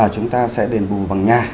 chúng ta sẽ đền bù bằng nhà